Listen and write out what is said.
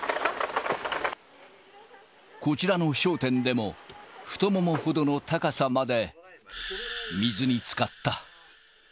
こちらの商店でも、太ももほどの高さまで水につかった。